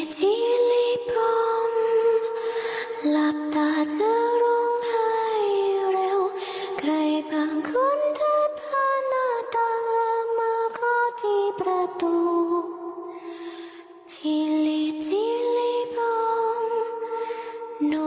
ทิลลิทิลลิปอมหลับตาเจอร่วงให้เร็ว